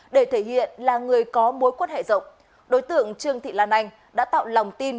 để thể hiện là người có mối quan hệ rộng đối tượng trương thị lan anh đã tạo lòng tin